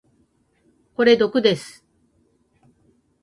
これ毒です。